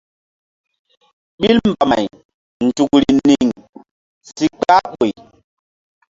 Ɓil mbamay nzukri niŋ si kpah ɓoy.